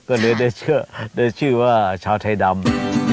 ก็เลยได้ชื่อว่าชาวไทยดำ